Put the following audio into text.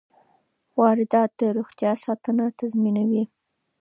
واردات د روغتیا ساتنه تضمینوي.